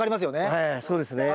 ええそうですね。